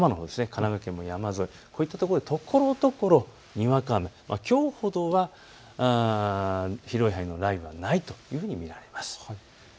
神奈川県も山沿い、こういったところ、ところどころにわか雨、きょうよりも広い範囲の雷雨はないというふうに見られます。